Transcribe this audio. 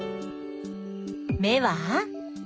目は？